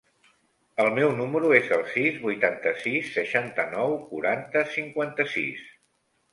El meu número es el sis, vuitanta-sis, seixanta-nou, quaranta, cinquanta-sis.